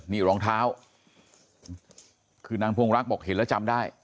นี่รองเท้าคือนางพงรักบอกเห็นแล้วจำได้